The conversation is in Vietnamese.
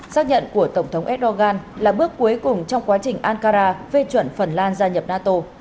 xác nhận của tổng thống erdogan là bước cuối cùng trong quá trình ankara phê chuẩn phần lan gia nhập nato